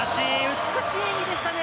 美しい演技でしたね。